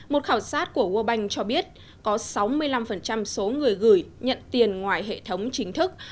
một khảo sát của world bank cho biết có sáu mươi năm số người gửi nhận tiền ngoài hệ thống chính thức